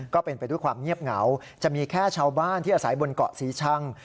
ก็เป็นไปด้วยความเงียบเหงาจะมีแค่ชาวบ้านที่อาศัยบนเกาะศรีชัง